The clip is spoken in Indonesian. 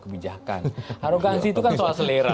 kebijakan arogansi itu kan soal selera